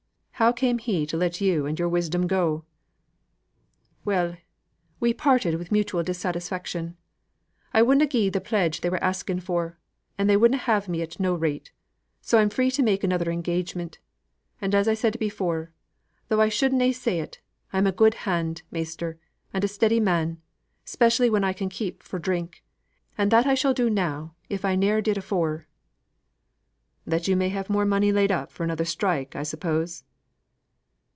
How came he to let you and your wisdom go?" "Well, we parted wi' mutual dissatisfaction. I wouldn't gi'e the pledge they were asking; and they wouldn't have me at no rate. So I'm free to make another engagement; and as I said before, though I should na' say it, I'm a good hand, measter, and a steady man specially when I can keep fro' drink; and that I shall do now, if I ne'er did afore." "That you may have more money laid up for another strike, I suppose?"